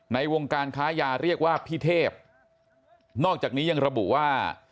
ในวงการค้ายาเรียกว่าพี่เทพนอกจากนี้ยังระบุว่า